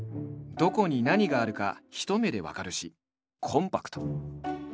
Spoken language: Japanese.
どこに何があるか一目で分かるしコンパクト。